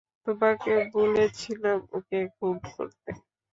তোমাকে বলেছিলাম ওকে খুন করতে।